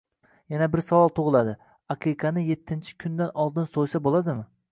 Yana bir savol tug‘iladi: aqiqani yettinchi kundan oldin so‘ysa bo‘ladimi?